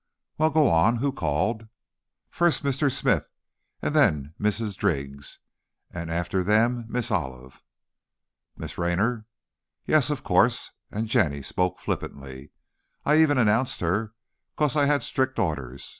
"Well, go on. Who called?" "First, Mr. Smith; and then Mrs. Driggs; and after them, Miss Olive." "Miss Raynor?" "Yes, of course!" and Jenny spoke flippantly. "I even announced her, 'cause I had strick orders.